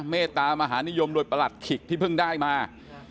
เมตตามหานิยมโดยประหลัดขิกที่เพิ่งได้มา